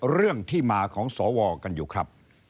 เรื่องที่มาของสวกันอยู่ครับ